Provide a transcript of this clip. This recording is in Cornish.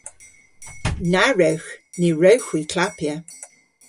Na wrewgh. Ny wrewgh hwi klappya.